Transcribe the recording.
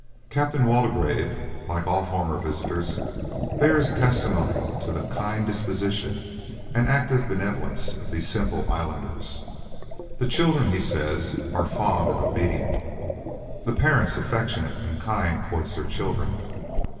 Captain Waldegrave, like all former visitors, bears testimony to the kind disposition and active benevolence of these simple islanders. The children, he says, are fond and obedient, the parents affectionate and kind towards their children.